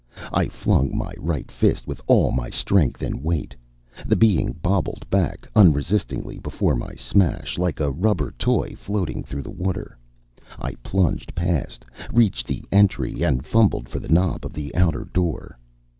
I flung my right fist with all my strength and weight. The being bobbed back unresistingly before my smash, like a rubber toy floating through water. I plunged past, reached the entry and fumbled for the knob of the outer door.